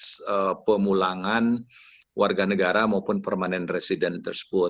proses pemulangan warga negara maupun permanent resident tersebut